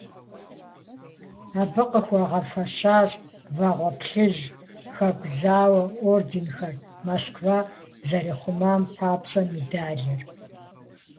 Абы къыхуагъэфэщащ Вагъуэ Плъыжь, Хэку зауэ орденхэр, «Москва зэрихъумам папщӏэ» медалыр.